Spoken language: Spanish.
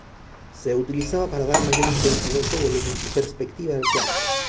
Se utilizaba para dar mayor intensidad de volumen y perspectiva al cuadro.